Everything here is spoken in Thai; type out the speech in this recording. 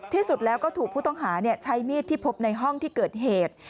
ที่สุดแล้วก็ถูกผู้ต้องหาใช้มีดที่พบในห้องที่เกิดเหตุ